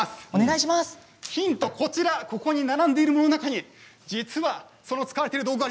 ヒントはここに並んでいるものの中に道具？